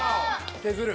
削る？